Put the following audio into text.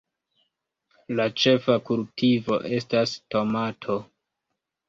La ĉefa kultivo estas tomato.